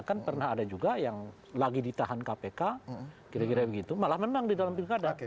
kan pernah ada juga yang lagi ditahan kpk kira kira begitu malah menang di dalam pilkada